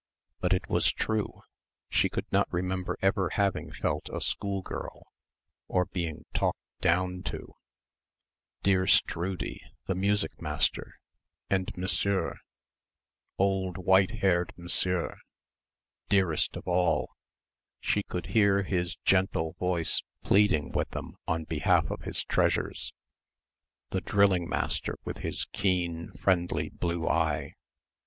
But it was true she could not remember ever having felt a schoolgirl ... or being "talked down" to ... dear Stroodie, the music master, and Monsieur old white haired Monsieur, dearest of all, she could hear his gentle voice pleading with them on behalf of his treasures ... the drilling master with his keen, friendly blue eye